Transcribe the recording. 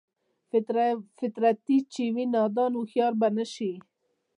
فطرتي چې وي نادان هوښيار به نشي